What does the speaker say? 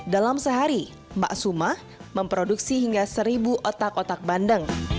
dalam sehari mbak sumah memproduksi hingga seribu otak otak bandeng